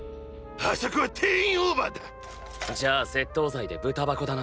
あそこは定員オーバーだ！じゃあ窃盗罪でブタ箱だな。